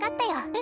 え？